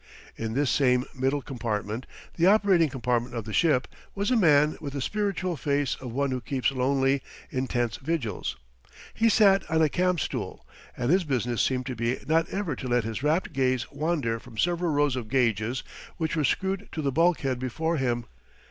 In this same middle compartment the operating compartment of the ship was a man with the spiritual face of one who keeps lonely, intense vigils. He sat on a camp stool, and his business seemed to be not ever to let his rapt gaze wander from several rows of gauges which were screwed to the bulkhead before him.